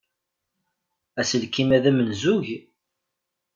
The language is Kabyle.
Aselkim-a d amenzug?